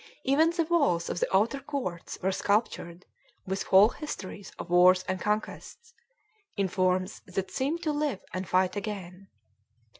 Even the walls of the outer courts were sculptured with whole histories of wars and conquests, in forms that seemed to live and fight again.